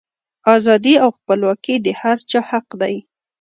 ازادي او خپلواکي د هر چا حق دی.